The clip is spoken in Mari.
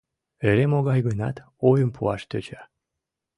Эре могай-гынат ойым пуаш тӧча.